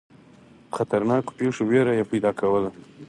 خطرناکو پیښو وېره یې پیدا کوله.